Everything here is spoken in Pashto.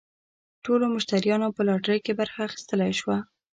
ټولو مشتریانو په لاټرۍ کې برخه اخیستلی شوه.